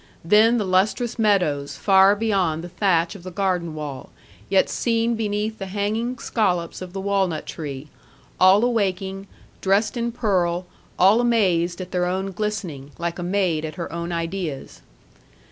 Then the lustrous meadows far beyond the thatch of the garden wall, yet seen beneath the hanging scollops of the walnut tree, all awaking, dressed in pearl, all amazed at their own glistening, like a maid at her own ideas.